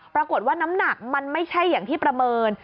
ปรากฏว่าน้ำหนักมันไม่ใช่อย่างที่ประเมิน